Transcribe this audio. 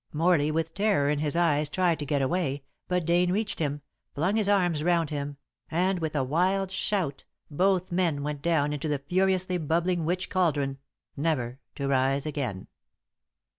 Morley, with terror in his eyes, tried to get away, but Dane reached him, flung his arms round him, and with a wild shout both men went down into the furiously bubbling witch caldron, never to rise again.